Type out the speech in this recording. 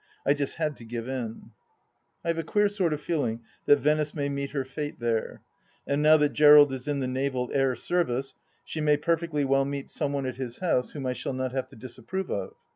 I just had to give in, I have a queer sort of feeling that Venice may meet her fate there. And now that Gerald is in the Naval Air Service, she may perfectly well meet some one at his house whom I shall not have to disapprove of.